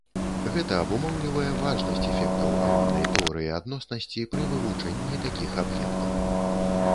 Гэта абумоўлівае важнасць эфектаў агульнай тэорыі адноснасці пры вывучэнні такіх аб'ектаў.